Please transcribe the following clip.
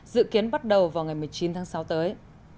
dự kiến bắt đầu vào ngày một mươi chín tháng sáu tới